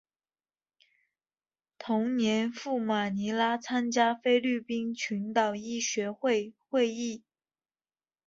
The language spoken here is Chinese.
同年赴马尼拉参加菲律宾群岛医学会会议。